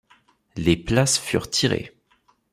Les places furent tirées.